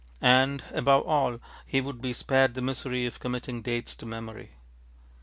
And, above all, he would be spared the misery of committing dates to memory.